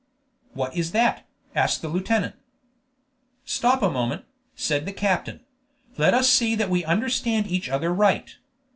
"What is that?" asked the lieutenant. "Stop a moment," said the captain. "Let us see that we understand each other right.